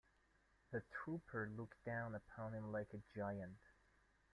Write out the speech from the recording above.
The trooper looked down upon him like a giant.